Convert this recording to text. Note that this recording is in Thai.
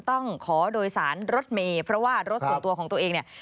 ต้องขอโดยสารรถเมย์เพราะว่ารถส่วนตัวของตัวเองเนี่ย